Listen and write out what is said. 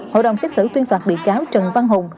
hội đồng xét xử tuyên phạt bị cáo trần văn hùng